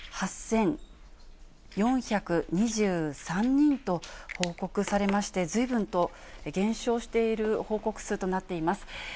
１万８４２３人と報告されまして、ずいぶんと減少している報告数となっています。